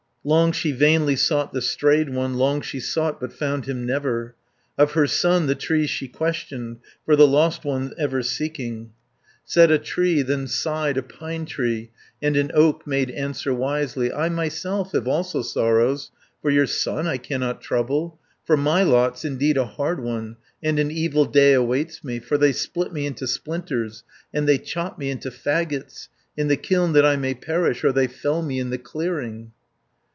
Long she vainly sought the strayed one, Long she sought, but found him never. Of her son the trees she questioned, For the lost one ever seeking. 130 Said a tree, then sighed a pine tree, And an oak made answer wisely: "I myself have also sorrows, For your son I cannot trouble, For my lot's indeed a hard one, And an evil day awaits me, For they split me into splinters, And they chop me into faggots, In the kiln that I may perish, Or they fell me in the clearing."